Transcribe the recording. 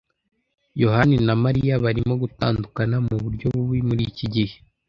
yohani na Mariya barimo gutandukana muburyo bubi muri iki gihe.